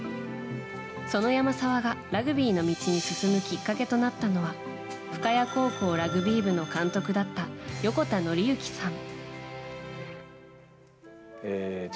その山沢が、ラグビーの道に進むきっかけとなったのは深谷高校ラグビー部の監督だった横田典之さん。